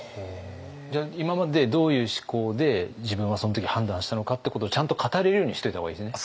今までどういう思考で自分はその時判断したのかってことをちゃんと語れるようにしといた方がいいですね。